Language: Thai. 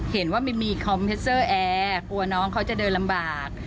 เห็นว่าไม่มีแอร์กลัวน้องเขาจะเดินลำบาก